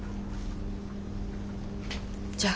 じゃあ。